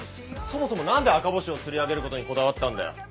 そもそも何で赤星をつり上げることにこだわったんだよ？